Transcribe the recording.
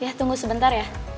ya tunggu sebentar ya